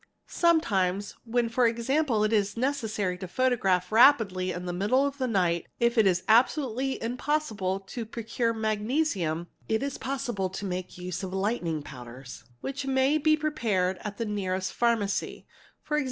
Sometimes, when for example it is necessary to photograph apidly in the middle of the night, if it is absolutely impossible to procure | magnesium, it is possible to make use of lightning powders which may be repared at the nearest pharmacy: e.g.